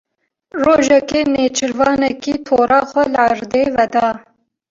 Rojekê nêçîrvanekî tora xwe li erdê veda.